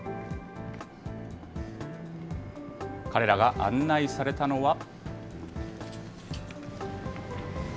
彼らが案内されたのは。